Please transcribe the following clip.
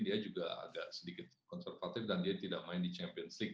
dia juga agak sedikit konservatif dan dia tidak main di champions leagu